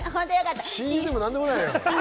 親友でも何でもないよ。